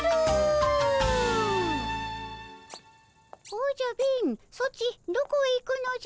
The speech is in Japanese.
おじゃ貧ソチどこへ行くのじゃ？